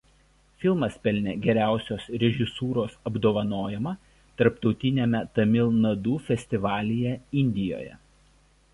Filmas pelnė geriausios režisūros apdovanojimą tarptautiniame Tamil Nadu festivalyje Indijoje.